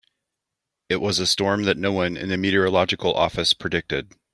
It was a storm that no one in the meteorological office predicted.